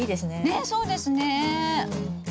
ねっそうですね。